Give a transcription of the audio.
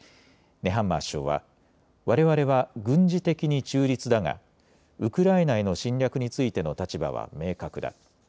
ネハンマー首相は、われわれは軍事的に中立だがウクライナへの侵略についての立場は明確だ。